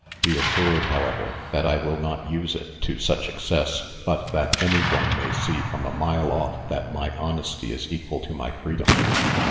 Be assured, however, that I will not use it to such excess, but that any one may see from a mile off that my honesty is equal to my freedom.